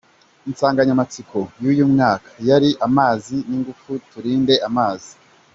Insanganyamatsiko y‟uyu mwaka yari, “Amazi n‟ingufu : Turinde amazi,